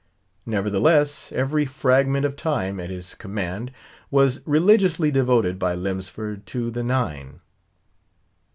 Nevertheless, every fragment of time at his command was religiously devoted by Lemsford to the Nine.